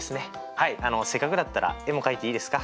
はいせっかくだったら絵も描いていいですか？